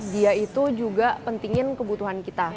dia itu juga pentingin kebutuhan kita